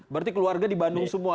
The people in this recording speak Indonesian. jadi keluarga di bandung semua